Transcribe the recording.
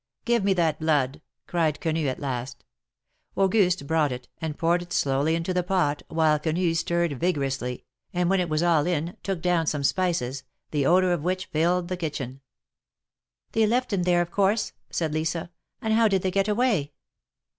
" Give me that blood !" cried Quenu, at last. Auguste brought it, and poured it slowly into the pot, while Quenu stirred vigorously, and when it was all in, took down some spices, the odor of which filled the kitchen. "They left him there, of course," said Lisa, "and how did they get away